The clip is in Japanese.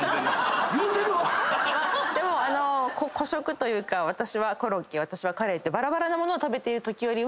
でも個食というか私はコロッケ私はカレーって。